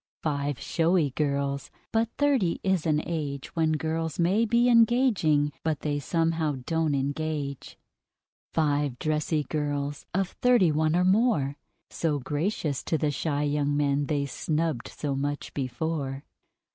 Five showy girls but Thirty is an age When girls may be engaging, but they somehow don't engage. Five dressy girls, of Thirty one or more: So gracious to the shy young men they snubbed so much before!